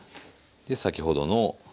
先ほどの。